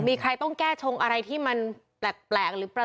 มีใครต้องแก้ชงอะไรที่มันแปลกหรือแปลก